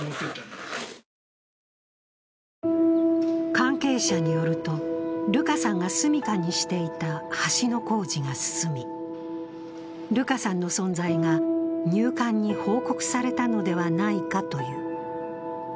関係者によると、ルカさんがすみかにしていた橋の工事が進み、ルカさんの存在が入管に報告されたのではないかという。